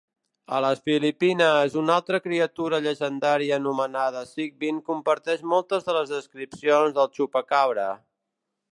A les Filipines, una altra criatura llegendària anomenada Sigbin comparteix moltes de les descripcions del "chupacabra".